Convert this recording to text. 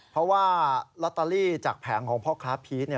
เพราะว่าลอตเตอรี่จากแผงของพ่อค้าพีช